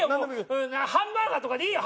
ハンバーガーとかでいいよ！